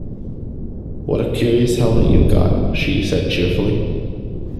‘What a curious helmet you’ve got!’ she said cheerfully.